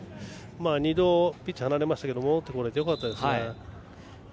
２度ピッチを離れましたが戻ってこれて、よかったですね。